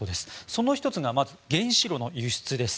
その１つがまず原子炉の輸出です。